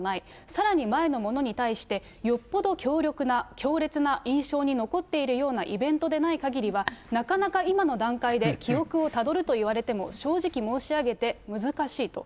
さらに前のものに対して、よっぽど強力な、強烈な印象に残っているようなイベントでないかぎりは、なかなか今の段階で記憶をたどるといわれても、正直申し上げて難しいと。